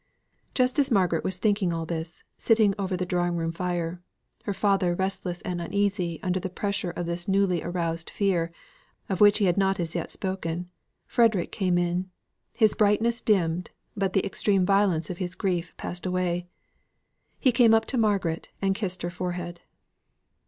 Just as Margaret was thinking all this, sitting over the drawing room fire her father restless and uneasy under the pressure of this newly aroused fear, of which he had not as yet spoken Frederick came in, his brightness dimmed, but the extreme violence of his grief passed away. He came up to Margaret, and kissed her forehead.